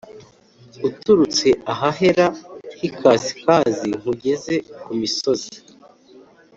Uturutse ahahera h ikasikazi nkugeze ku misozi